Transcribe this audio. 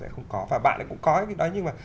không có và bạn ấy cũng có cái đó nhưng mà